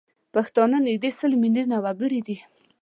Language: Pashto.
پښتانه نزدي سل میلیونه وګړي دي